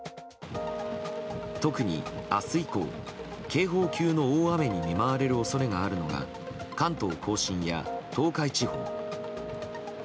特に明日以降、警報級の大雨に見舞われる恐れがあるのが関東・甲信や東海地方。